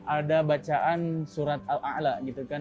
ada bacaan surat al a'la gitu kan